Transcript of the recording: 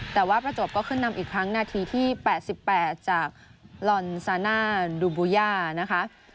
แต่ว่าประจวบก็ขึ้นนำอีกครั้งนาทีที่๘๘จากลอนซาน่าดูบูย่านะคะ